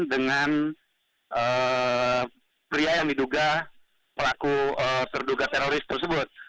dengan pria yang diduga pelaku terduga teroris tersebut